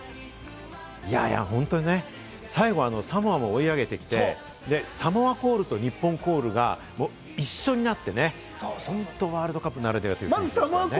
本当に最後、サモアも追い上げてきて、サモアコールと日本コールが一緒になってね、本当、ワールドカップならでは。